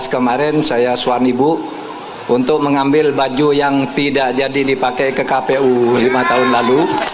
kemarin saya suami ibu untuk mengambil baju yang tidak jadi dipakai ke kpu lima tahun lalu